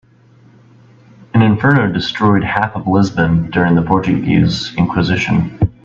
An inferno destroyed half of Lisbon during the Portuguese inquisition.